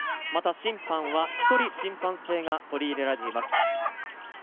審判は１人審判制が取り入れられています。